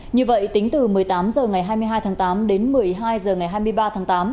như vậy tính từ một mươi tám h ngày hai mươi hai tháng tám đến một mươi hai h ngày hai mươi ba tháng tám